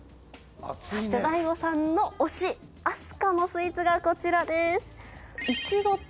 そしてＤＡＩＧＯさんの推しアスカのスイーツがこちらです。